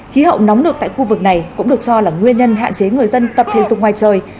khí hậu nóng nược tại khu vực này cũng được cho là nguyên nhân hạn chế người dân tập thiên dung ngoài trời